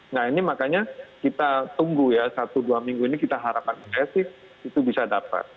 nah ini makanya kita tunggu ya satu dua minggu ini kita harapkan itu bisa dapat